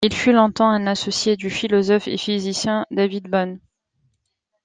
Il fut longtemps un associé du philosophe et physicien David Bohm.